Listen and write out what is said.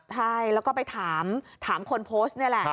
ใช่แล้วก็ไปถามคนโพสต์นี่แหละ